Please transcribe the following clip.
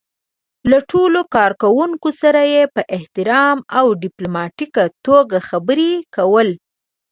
له ټولو کار کوونکو سره په احترام او ډيپلوماتيکه توګه خبرې کول.